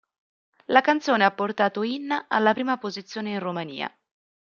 La canzone ha portato Inna alla prima posizione in Romania.